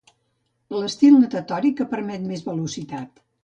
L'estil natatori que permet més velocitat.